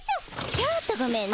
ちょっとごめんね。